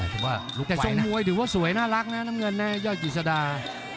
แต่ว่าแต่ทรงมวยถือว่าสวยน่ารักนะน้ำเงินนะยอดกิจสดา